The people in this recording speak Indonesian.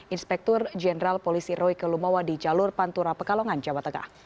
inspektur jenderal polisi royke lumawa di jalur pantura pekalongan jawa tengah